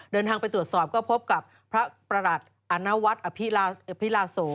เดินทางไปตรวจสอบก็พบกับพระประหลัดอนวัฒน์อภิลาโส